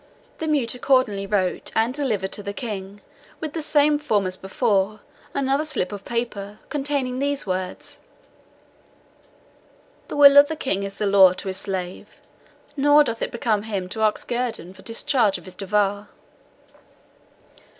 The mute accordingly wrote and delivered to the King, with the same form as before, another slip of paper, containing these words, "The will of the King is the law to his slave; nor doth it become him to ask guerdon for discharge of his devoir."